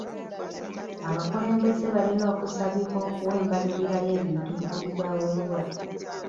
Abakulembeze balina okusabibwa okuwa embalirira y'ebintu ebibaweebwa.